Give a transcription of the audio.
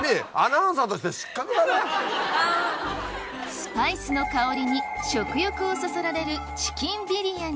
スパイスの香りに食欲をそそられるチキンビリヤニ